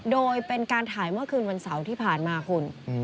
โดยเป็นการถ่ายเมื่อคืนวันเสาร์ที่ผ่านมาคุณ